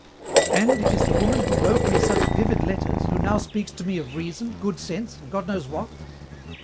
"And it is the woman who wrote me such vivid letters, who now speaks to me of reason, good sense, and God knows what!"